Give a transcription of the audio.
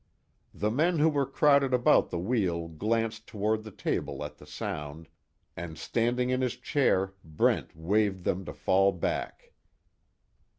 The men who were crowded about the wheel glanced toward the table at the sound, and standing in his chair Brent waved them to fall back.